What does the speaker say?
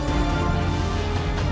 dari mana saja